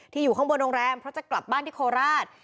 อยู่ข้างบนโรงแรมเพราะจะกลับบ้านที่โคราช